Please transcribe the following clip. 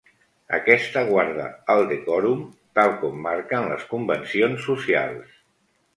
Aquesta guarda el decòrum, tal com marquen les convencions socials.